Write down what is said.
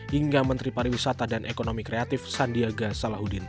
hingga menteri pariwisata dan ekonomi kreatif sandiaga salahuddin